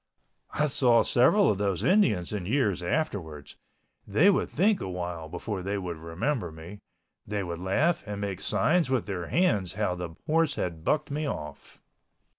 I saw several of those Indians in years afterwards. They would think awhile before they would remember me—they would laugh and make signs with their hands how the horse bucked me off.